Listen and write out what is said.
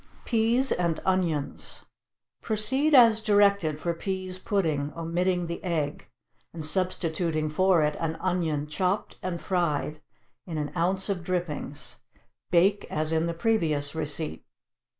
=Peas and Onions.= Proceed as directed for peas pudding, omitting the egg, and substituting for it an onion chopped and fried in an ounce of drippings; bake as in the previous receipt.